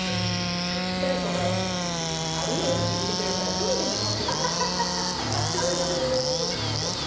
誰かがあるよって言ってくれたらすぐでも飛んでくけど。